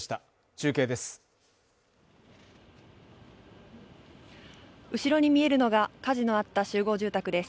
中継です。